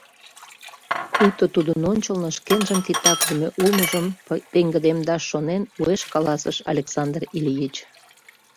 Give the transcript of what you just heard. — пуйто тудын ончылно шкенжын титакдыме улмыжым пеҥгыдемдаш шонен, уэш каласыш Александр Ильич.